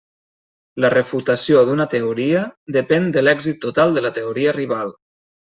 La refutació d'una teoria depèn de l'èxit total de la teoria rival.